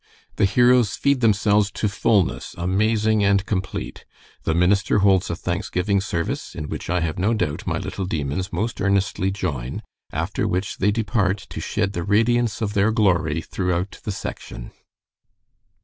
The heroes feed themselves to fullness, amazing and complete, the minister holds a thanksgiving service, in which I have no doubt my little demons most earnestly join, after which they depart to shed the radiance of their glory throughout the section.